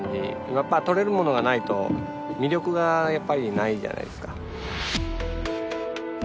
やっぱ取れるものがないと魅力がやっぱりないじゃないですか。